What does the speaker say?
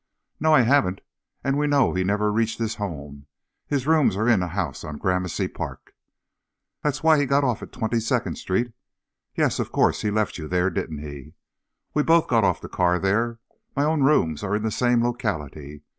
"No, I haven't. And we know he never reached his home. His rooms are in a house on Gramercy Park " "That's why he got off at Twenty second Street " "Yes, of course. He left you there, didn't he?" "We both got off the car there. My own rooms are in the same locality.